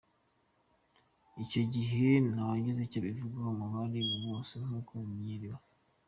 Icyo gihe, ntawagize icyo abivugaho mu bari aho bose nk’uko bimenyerewe.